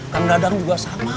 kang dadang juga sama